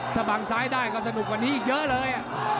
ถ้าบังซ้ายได้ก็สนุกกว่านี้อีกเยอะเลย